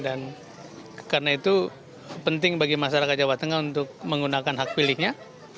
dan karena itu penting bagi masyarakat jawa tengah untuk menggunakan hak pilihnya